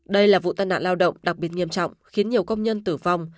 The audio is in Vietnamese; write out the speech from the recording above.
đây là vụ tai nạn lao động đặc biệt nghiêm trọng khiến nhiều công nhân tử vong